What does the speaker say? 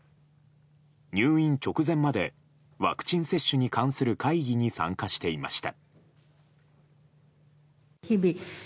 入院直前までワクチン接種に関する会議に参加していました。